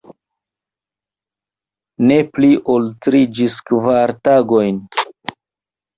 Ne pli ol tri ĝis kvar tagojn.